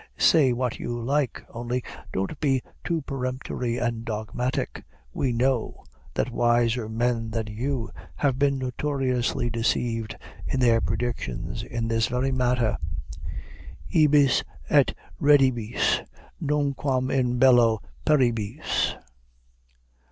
Say what you like, only don't be too peremptory and dogmatic; we know that wiser men than you have been notoriously deceived in their predictions in this very matter. _"Ibis et redibis nunquam in bello peribis."